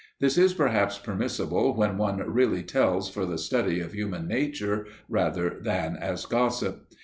This is, perhaps, permissible when one really tells for the study of human nature rather than as gossip.